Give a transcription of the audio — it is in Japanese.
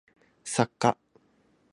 作家